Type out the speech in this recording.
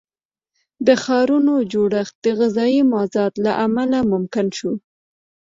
د ښارونو جوړښت د غذایي مازاد له امله ممکن شو.